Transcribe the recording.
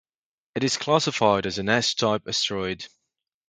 It is classified as an S-type asteroid.